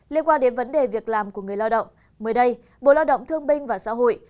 liên quan đến vấn đề việc làm của người lao động mới đây bộ lao động thương binh và xã hội